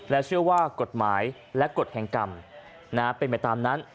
เชื่อว่ากฎหมายและกฎแห่งกรรมเป็นไปตามนั้น